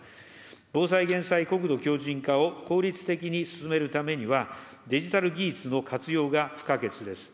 防災・減災、国土強じん化を効率的に進めるためには、デジタル技術の活用が不可欠です。